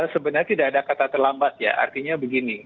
sebenarnya tidak ada kata terlambat ya artinya begini